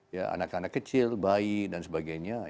ya anak anak kecil bayi dan sebagainya